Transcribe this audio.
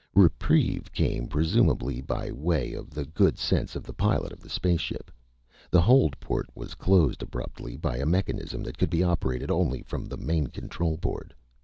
Reprieve came presumably by way of the good sense of the pilot of the space ship. The hold port was closed abruptly by a mechanism that could be operated only from the main control board.